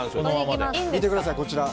見てください、こちら。